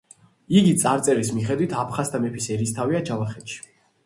იგი წარწერის მიხედვით, აფხაზთა მეფის ერისთავია ჯავახეთში.